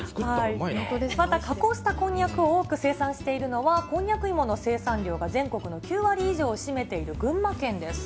また、加工したこんにゃくを多く生産しているのは、こんにゃく芋の生産量が全国の９割以上を占めている群馬県です。